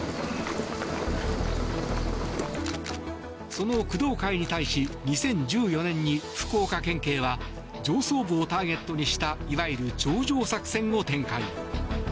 その工藤会に対し２０１４年に福岡県警は上層部をターゲットにしたいわゆる頂上作戦を展開。